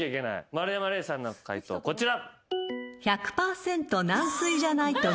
丸山礼さんの解答こちら。